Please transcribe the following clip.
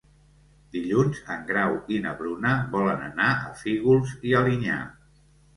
Dilluns en Grau i na Bruna volen anar a Fígols i Alinyà.